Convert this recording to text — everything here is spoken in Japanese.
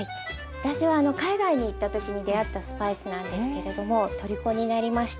私はあの海外に行った時に出合ったスパイスなんですけれども虜になりました。